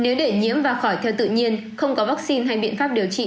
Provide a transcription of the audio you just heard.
nếu để nhiễm và khỏi theo tự nhiên không có vaccine hay biện pháp điều trị